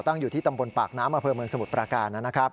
อยู่ที่ตำบลปากน้ำอำเภอเมืองสมุทรปราการนะครับ